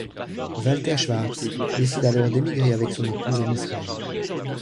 Walter Schwarz décide alors d'émigrer avec son épouse en Israël.